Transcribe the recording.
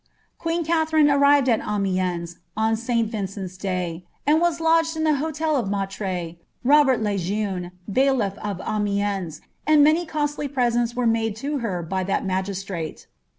Queen Katherine arrived at Amiens on St. Vincent's day, and was lodged in the hotel of maitre Robert le Jeune, bailiff of Amiens, and many costly presents were made to her by that magistrate.'